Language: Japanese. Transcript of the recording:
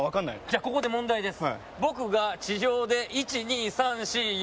じゃあここで問題です。